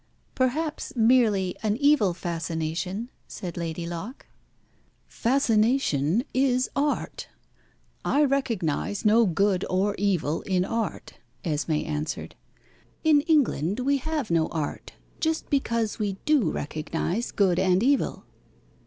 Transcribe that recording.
"Perhaps merely an evil fascination," said Lady Locke. "Fascination is art. I recognise no good or evil in art," Esmé answered. "In England we have no art, just because we do recognise good and evil.